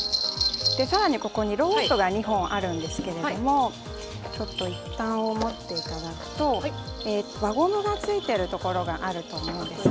さらにここにロープが２本あるんですが一端を持っていただくと輪ゴムがついているところがあると思うんですね。